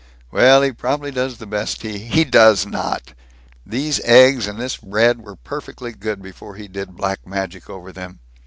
"Well, he probably does the best he " "He does not! These eggs and this bread were perfectly good, before he did black magic over them.